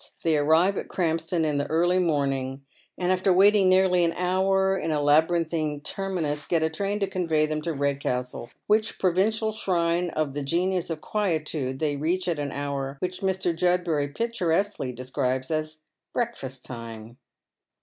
They anive at Kjampston in the early morning, and after waiting nearly an hour in a labyrinthine terminus get a train to convey them to Eedcastle, which provincial shrine of the genius of quietude they reach at an hour which Mr. Judbury picturesquely describes as breakfabt time.